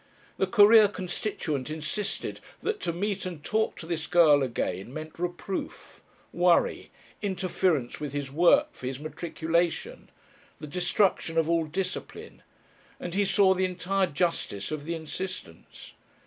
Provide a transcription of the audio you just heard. The Career constituent insisted that to meet and talk to this girl again meant reproof, worry, interference with his work for his matriculation, the destruction of all "Discipline," and he saw the entire justice of the insistence.